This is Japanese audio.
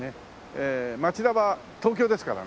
町田は東京ですからね。